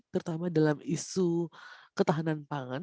terutama dalam isu ketahanan pangan